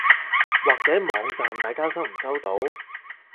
或者網站大家收唔收到？